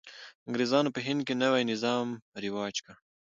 انګرېزانو په هند کې نوی نظام رواج کړ.